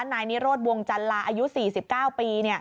นายนิโรธวงจันลาอายุ๔๙ปี